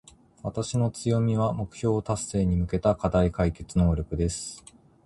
私の強みは、目標達成に向けた課題解決能力です。